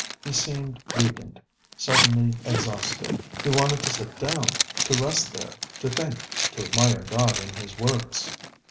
He seemed weakened, suddenly exhausted; he wanted to sit down, to rest there, to think, to admire God in His works.